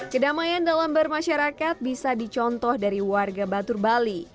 kedamaian dalam bermasyarakat bisa dicontoh dari warga batur bali